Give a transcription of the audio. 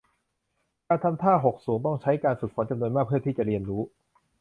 การทำท่าหกสูงต้องใช้การฝึกฝนจำนวนมากเพื่อที่จะเรียนรู้